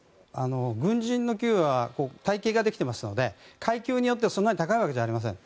軍人の給与は体系ができていますので階級によって、そんなに高いわけじゃありません。